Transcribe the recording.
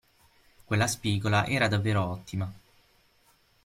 Quella spigola era davvero ottima.